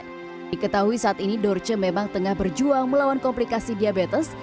diketahui saat ini dorce memang tengah berjuang melawan komplikasi diabetes